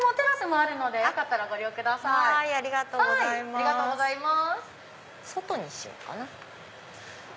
ありがとうございます。